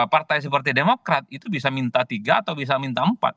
partai seperti demokrat itu bisa minta tiga atau bisa minta empat